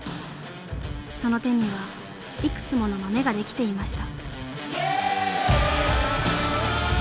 その手にはいくつものマメが出来ていました。